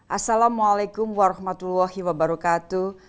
assalamualaikum warahmatullahi wabarakatuh